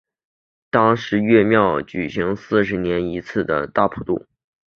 当月庙方举行四十年一次的大普度。